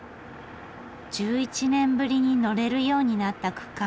１１年ぶりに乗れるようになった区間。